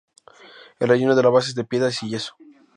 El relleno de la base es de piedras y yeso.